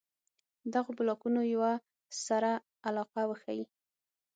دغو بلاکونو یوه سره علاقه وښيي.